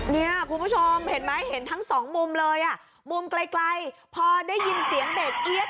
เนี่ยคุณผู้ชมเห็นไหมเห็นทั้งสองมุมเลยอ่ะมุมไกลพอได้ยินเสียงเบรกเอี๊ยด